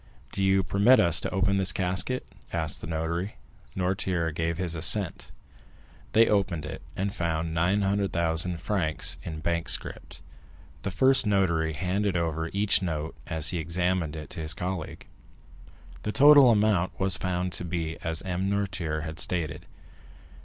"Do you permit us to open this casket?" asked the notary. Noirtier gave his assent. They opened it, and found 900,000 francs in bank scrip. The first notary handed over each note, as he examined it, to his colleague. The total amount was found to be as M. Noirtier had stated.